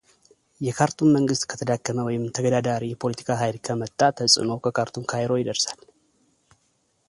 የካርቱም መንግሥት ከተዳከመ ወይም ተገዳዳሪ የፖለቲካ ኃይል ከመጣ ተጽዕኖው ከካርቱም ካይሮ ይደርሳል።